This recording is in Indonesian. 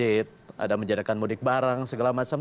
ada yang menyediakan mudik barang segala macam